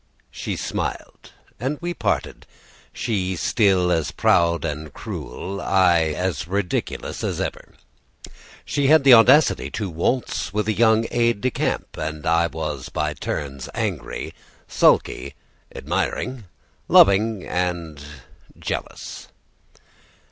She smiled and we parted, she still as proud and as cruel, I as ridiculous, as ever. She had the audacity to waltz with a young aide de camp, and I was by turns angry, sulky, admiring, loving, and jealous.